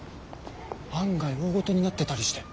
案外大ごとになってたりして。